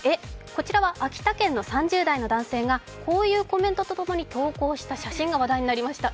こちらは秋田県の３０代の男性がこういうコメントとともに投稿した写真が話題になりました。